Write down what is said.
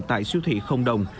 tại siêu thị không đồng